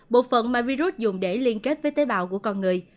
một phần mà virus dùng để liên kết với tế bào của con người